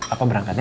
aku berangkat ya